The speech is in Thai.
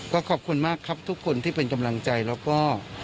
ก็ขอบคุณมากครับทุกคนที่เป็นกำลังใจแล้วก็